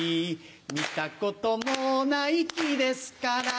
見たこともない木ですから